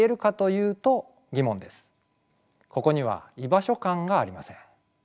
ここには居場所感がありません。